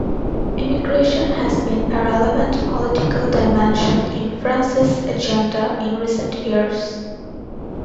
Immigration has been a relevant political dimension in France's agenda in recent years.